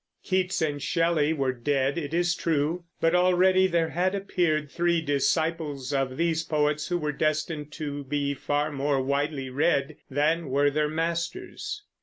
Keats and Shelley were dead, it is true, but already there had appeared three disciples of these poets who were destined to be far more widely, read than were their masters.